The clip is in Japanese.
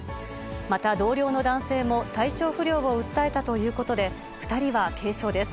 また、同僚の男性も体調不良を訴えたということで、２人は軽傷です。